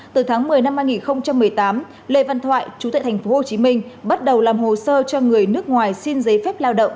từ tháng một mươi năm hai nghìn một mươi tám lê văn thoại chú tại tp hcm bắt đầu làm hồ sơ cho người nước ngoài xin giấy phép lao động